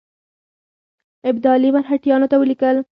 ابدالي مرهټیانو ته ولیکل.